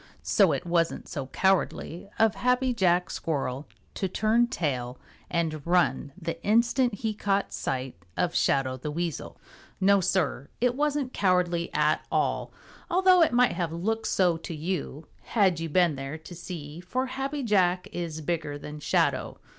So it wasn't so cowardly of Happy Jack Squirrel to turn tail and run the instant he caught sight of Shadow the Weasel. No, Sir, it wasn't cowardly at all, although it might have looked so to you had you been there to see, for Happy Jack is bigger than Shadow.